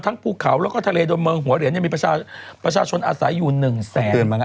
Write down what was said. ทั้งภูเขาแล้วก็ทะเลโดนเมืองหัวเหรียญยังมีประชาชนอาศัยอยู่หนึ่งแสนคน